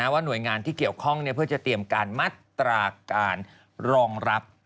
ว่าหน่วยงานที่เกี่ยวข้องเพื่อจะเตรียมการมัตราการรองรับ